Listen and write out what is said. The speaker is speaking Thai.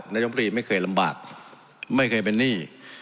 นายมตรีไม่เคยลำบากไม่เคยเป็นหนี้